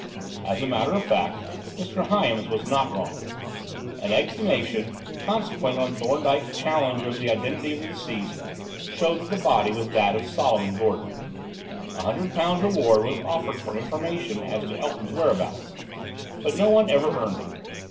As a matter of fact, Mr. Hyams was not wrong. An exhumation, consequent on Thorndyke's challenge of the identity of the deceased, showed that the body was that of Solomon Gordon. A hundred pounds reward was offered for information as to Elton's whereabouts. But no one ever earned it.